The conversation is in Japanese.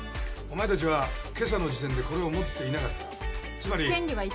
お前たちはけさの時点でこれを持っていなかった。